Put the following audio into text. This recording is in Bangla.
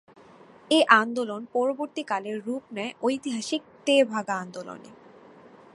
এ আন্দোলন পরবর্তীকালে রূপ নেয় ঐতিহাসিক তেভাগা আন্দোলনে।